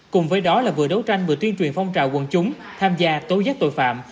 cùng với đó là vừa đấu tranh vừa tuyên truyền phong trào quần chúng tham gia tố giác tội phạm